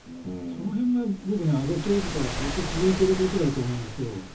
その辺が僕安倍政治からずっと続いていることだと思うんですよ。